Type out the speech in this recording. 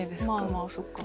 まあまあそっか。